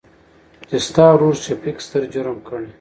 چې ستا ورورشفيق ستر جرم کړى.